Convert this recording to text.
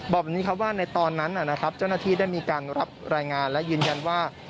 บอกแบบนี้ครับว่าในตอนนั้นนะครับเจ้าหน้าที่ได้มีการรับรายงานและยืนยันว่า